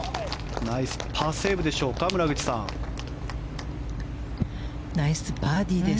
ナイスパーセーブでしょうか村口さん。ナイスバーディーです。